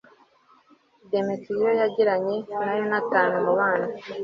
demetiriyo yagiranye na yonatani umubano